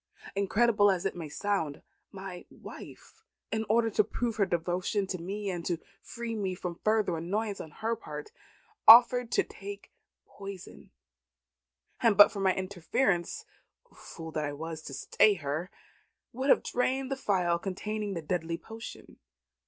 Incredible as it may sound, my wife, in order to prove her devotion to me and to free me from further annoyance on her part, offered to take poison; and but for my interference (fool that I was to stay her!) would have drained the phial containing the deadly potion.